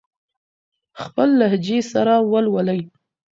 خپل لهجې سره ولولئ.